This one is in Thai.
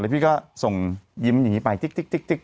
พี่ก็ส่งยิ้มอย่างนี้ไปจิ๊ก